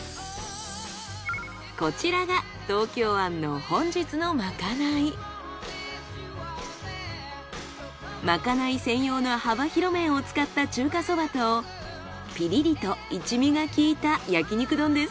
こちらがまかない専用の幅広麺を使った中華そばとピリリと一味が効いた焼肉丼です。